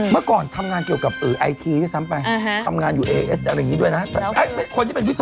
เพราะคือผีเนี่ยก็คือไปตายอยู่แถวนั้นแหละ